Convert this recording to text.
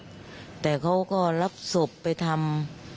พี่น้องแต่เขาก็รับศพไปทำ